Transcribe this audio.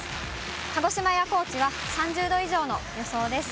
鹿児島や高知は３０度以上の予想です。